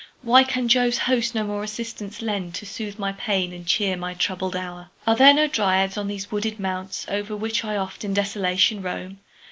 Why can Jove's host no more assistance lend, To soothe my pains, and cheer my troubled hour? Are there no Dryads on these wooded mounts O'er which I oft in desolation roam?